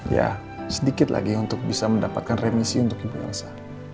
ya sedikit lagi untuk bisa mendapatkan remisi untuk ibu elsa